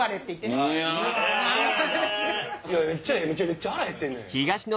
めちゃめちゃ腹へってんねん。